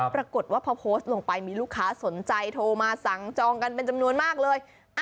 ปรากฏว่าพอโพสต์ลงไปมีลูกค้าสนใจโทรมาสั่งจองกันเป็นจำนวนมากเลย